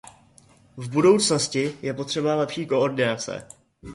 V budoucnosti je potřeba lepší koordinace.